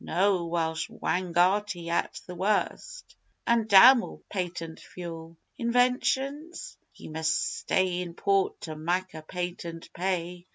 No! Welsh Wangarti at the worst an' damn all patent fuel!) Inventions? Ye must stay in port to mak' a patent pay.